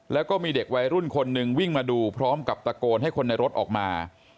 แล้วก็มีเด็กวัยรุ่นคนหนึ่งวิ่งมาดูพร้อมกับตะโกนให้คนในรถออกมา